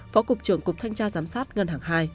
phó cục trưởng cục thanh tra giám sát ngân hàng hai